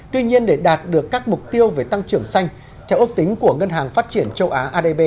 tuy nhiên để đạt được các mục tiêu về tăng trưởng xanh theo ước tính của ngân hàng phát triển châu á